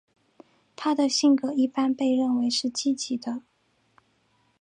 她的性格一般被认为是积极的。